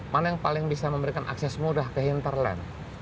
mana yang paling bisa memberikan akses mudah ke hinterland